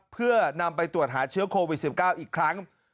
เพื่อนำไปตรวจหาเชื้อโควิด๑๙อีกครั้ง